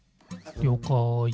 りょうかい。